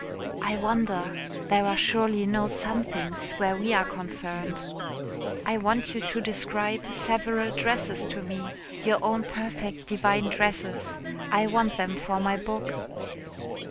"I wonder. There are surely no somethings where we are concerned." "I want you to describe several dresses to me. Your own perfect divine dresses. I want them for my book."